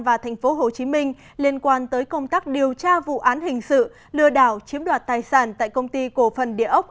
và tp hcm liên quan tới công tác điều tra vụ án hình sự lừa đảo chiếm đoạt tài sản tại công ty cổ phần địa ốc